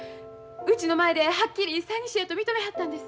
うちの前ではっきり詐欺師やと認めはったんです。